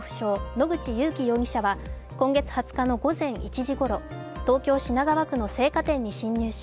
野口勇樹容疑者は今月２０日午前１時ごろ、東京・品川区の青果店に侵入し